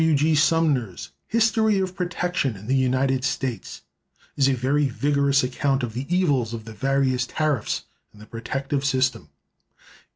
W. G. Sumner's "History of Protection in the United States" is a very vigorous account of the evils of the various tariffs and the protective system.